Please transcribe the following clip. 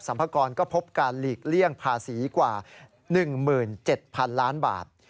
พากรก็พบการหลีกเลี่ยงภาษีกว่า๑๗๐๐๐ล้านบาท